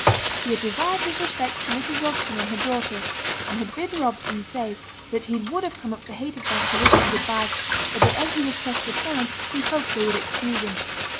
He had desired his respects to Mrs. Robson and her daughter; and had bid Robson say that he would have come up to Haytersbank to wish them good by, but that as he was pressed for time, he hoped they would excuse him.